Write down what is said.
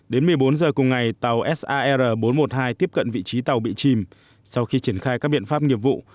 đến một mươi bốn giờ cùng ngày tàu sar bốn trăm một mươi hai tiếp cận vị trí tàu bị chìm sau khi triển khai các biện pháp nghiệp vụ